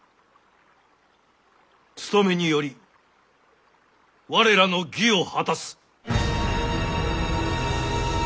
つとめにより我らの義を果たす。